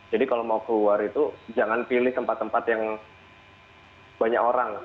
jadi kalau mau keluar itu jangan pilih tempat tempat yang banyak orang